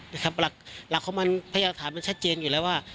หลักของมันพยากฐานมันชัดเจนอยู่แล้วว่า